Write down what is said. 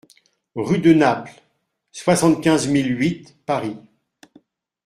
RUE DE NAPLES, soixante-quinze mille huit Paris